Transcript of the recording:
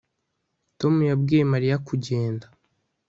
Tom yabwiye Mariya kugenda